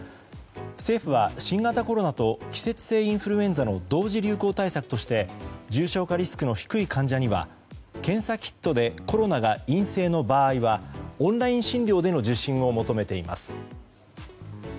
政府は新型コロナと季節性インフルエンザの同時流行対策として重症化リスクの低い患者には検査キットでコロナが陰性の場合はオンライン診療での受診を求めています。